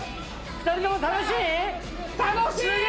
２人とも楽しい？